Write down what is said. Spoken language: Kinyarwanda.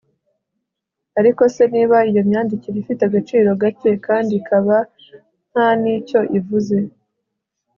ariko se niba iyo myandikire ifite agaciro gake kandi ikaba nta n'icyo ivuze